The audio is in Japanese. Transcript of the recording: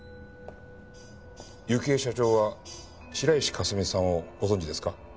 幸恵社長は白石佳澄さんをご存じですか？